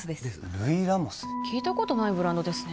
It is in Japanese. ルイ・ラモス聞いたことないブランドですね